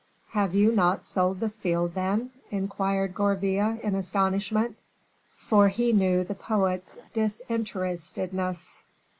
"Have you not sold the field, then?" inquired Gourville, in astonishment, for he knew the poet's disinterestedness.